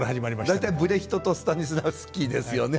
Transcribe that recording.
大体ブレヒトとスタニスラフスキーですよね。